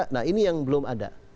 nah ini yang belum ada